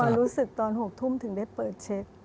รู้สึกตอน๖ทุ่มถึงได้เปิดเช็ค